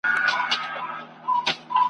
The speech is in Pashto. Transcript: دی به خوښ ساتې تر ټولو چي مهم دی په جهان کي !.